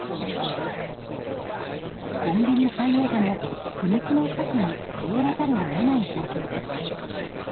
コンビニ最大手も、苦肉の策に頼らざるを得ない状況です。